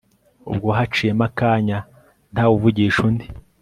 ubwo haciyemo akanya ntawe uvugisha undi